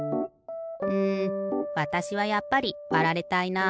うんわたしはやっぱりわられたいな。